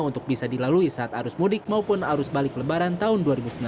untuk bisa dilalui saat arus mudik maupun arus balik lebaran tahun dua ribu sembilan belas